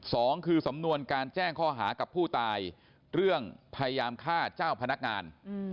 สองคือสำนวนการแจ้งข้อหากับผู้ตายเรื่องพยายามฆ่าเจ้าพนักงาน